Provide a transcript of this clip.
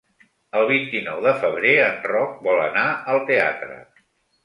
El vint-i-nou de febrer en Roc vol anar al teatre.